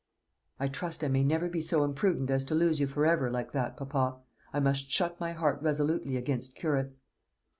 "I trust I may never be so imprudent as to lose you for ever, like that, papa. I must shut my heart resolutely against curates."